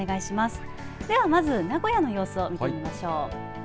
では、まず名古屋の様子を見てましょう。